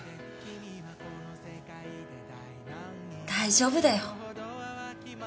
大丈夫だよ。